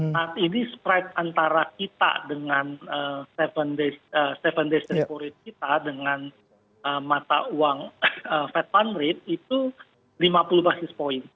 saat ini spride antara kita dengan tujuh days repo rate kita dengan mata uang fed fund rate itu lima puluh basis point